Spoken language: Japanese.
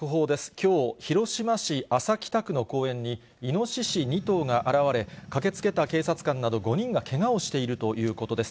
きょう、広島市安佐北区の公園に、イノシシ２頭が現れ、駆けつけた警察官など５人がけがをしているということです。